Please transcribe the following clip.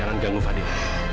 jangan ganggu fadil